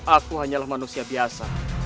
aku hanyalah manusia biasa